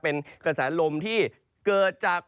เป็นกระแสลมที่เกิดจาก